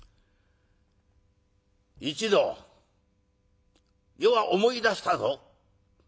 「一同余は思い出したぞ。